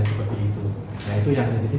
nah itu yang terjadi